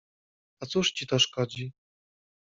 — A cóż ci to szkodzi?